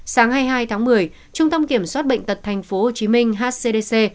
sáng hai mươi hai tháng một mươi trung tâm kiểm soát bệnh tật tp hcm hcdc